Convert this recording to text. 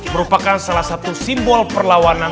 merupakan salah satu simbol perlawanan